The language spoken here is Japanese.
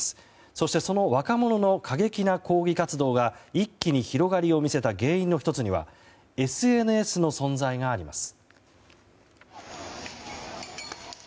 そして、その若者の過激な抗議活動が一気に広がりを見せた原因の１つにはＳＮＳの存在があります。